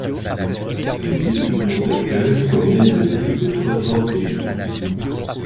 Les étudiants actuels proviennent de plus de soixante pays.